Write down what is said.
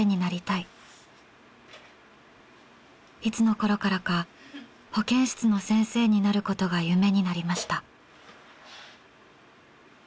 いつのころからか保健室の先生になることが夢になりました。